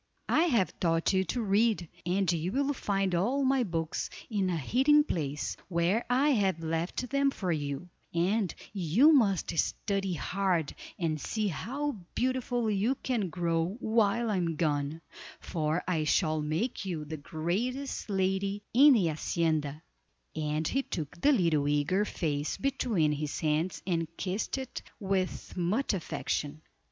I have taught you to read, and you will find all my books in the hiding place, where I have left them for you, and you must study hard and see how beautiful you can grow while I am gone, for I shall make you the greatest lady in the hacienda;" and he took the little eager face between his hands and kissed it with much affection.